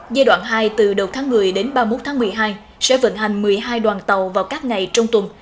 giai đoạn hai từ đầu tháng một mươi đến ba mươi một tháng một mươi hai sẽ vận hành một mươi hai đoàn tàu vào các ngày trong tuần